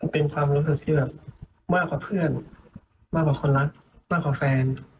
เป็นความรู้สึกที่แบบมากกว่าเพื่อนมากกว่าคนรักมากกว่าแฟน